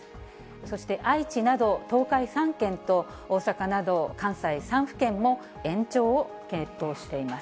そして愛知など東海３県と、大阪など関西３府県も延長を検討しています。